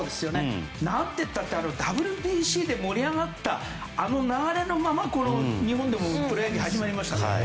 何て言ったってＷＢＣで盛り上がったあの流れのまま日本でもプロ野球が始まりましたから。